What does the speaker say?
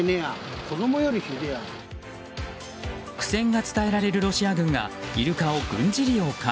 苦戦が伝えられるロシア軍がイルカを軍事利用か。